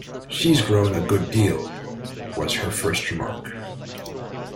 ‘She’s grown a good deal!’ was her first remark.